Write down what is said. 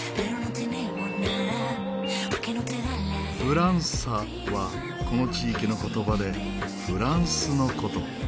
「フランサ」はこの地域の言葉で「フランス」の事。